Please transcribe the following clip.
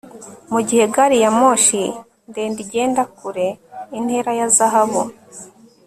Mugihe gari ya moshi ndende igenda kure intera ya zahabu